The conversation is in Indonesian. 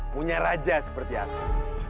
punya raja seperti aku